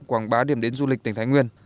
quảng bá điểm đến du lịch tỉnh thái nguyên